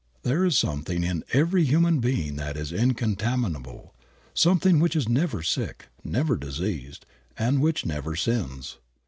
There is something in every human being that is incontaminable, something which is never sick, never diseased, and which never sins.